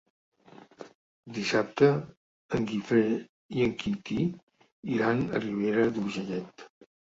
Dissabte en Guifré i en Quintí iran a Ribera d'Urgellet.